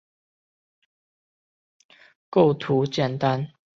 构图简单